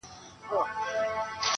یوه د وصل شپه وي په قسمت را رسېدلې،